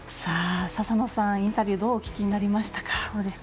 笹野さん、インタビューどうお聞きになりましたか？